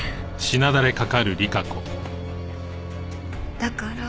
だから。